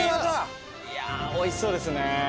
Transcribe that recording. いや美味しそうですね。